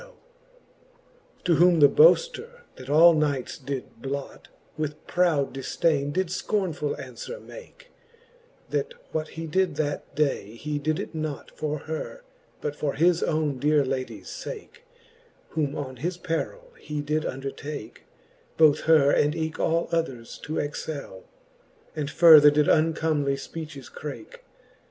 XVL To whom the boafter, that all knights did blot, With proud difdaine did fcornefull anfwere make ; That what he did that day, he did it not For her, but for his owne dear ladie's fake> Whom on his perill he did undertake, Both her and eke all others to excell : And further did uncomely fpeaches crake.